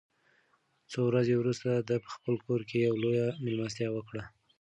څو ورځې وروسته ده په خپل کور کې یوه لویه مېلمستیا وکړه.